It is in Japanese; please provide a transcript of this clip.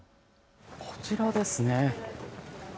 こちらですね。